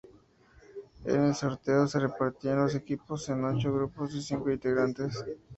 En el sorteo se repartieron los equipos en ocho grupos de cinco integrantes.